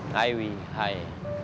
hai wih hai